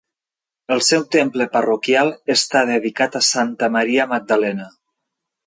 El seu temple parroquial està dedicat a Santa Maria Magdalena.